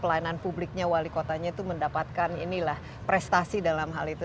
dan juga kelelahan publiknya wali kotanya itu mendapatkan prestasi dalam hal itu